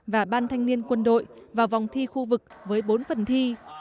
và ban thanh niên quân đội vào vòng thi khu vực với bốn phần thi